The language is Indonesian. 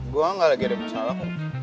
gue gak lagi ada masalah kok